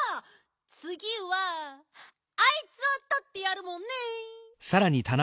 つぎはあいつをとってやるもんね。